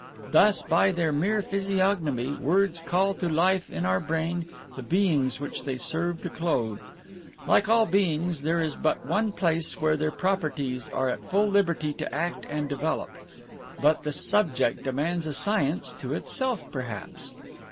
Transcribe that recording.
Thus, by their mere physiognomy, words call to life in our brain the beings which they serve to clothe. Like all beings, there is but one place where their properties are at full liberty to act and develop. But the subject demands a science to itself perhaps!"